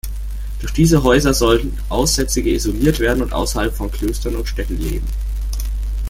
Durch diese Häuser sollten Aussätzige isoliert werden und außerhalb von Klöstern und Städten leben.